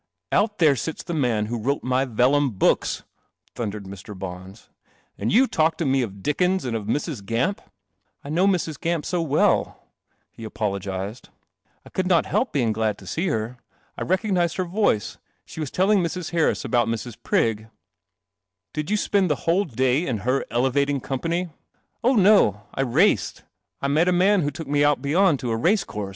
" Out there sits the man who wrote my vel lum books!' thundered Mr. Bons, "and you talk to me of Dickens and of Mrs. Gamp? "" I know Mrs. Gamp so well," he apologized. 7 6 THE CEL1 5T1 \I. 0MNIB1 ■ I i iKl not help being glad to see her. I ret her voice. She was telling Mrs. Harris about Mr\ Prig." U D i spend the whole day in her ele vating company u Oh, I raced. I met a man who took mc out beyond t race cour